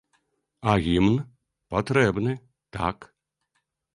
А гімн патрэбны, так.